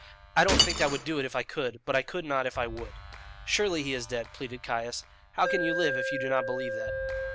I don't think I would do it if I could; but I could not if I would." "Surely he is dead," pleaded Caius. "How can you live if you do not believe that?"